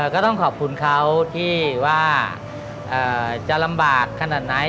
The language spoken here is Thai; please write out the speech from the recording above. ก็ต้องขอบคุณเขาที่ว่าจะลำบากขนาดไหน